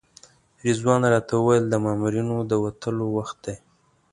رضوان راته وویل د مامورینو د وتلو وخت دی.